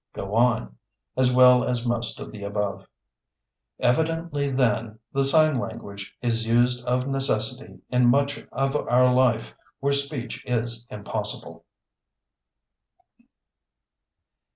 "Go on," as well as most of the above. Evidently, then, the Sign Language is used of necessity in much of our life where speech is impossible.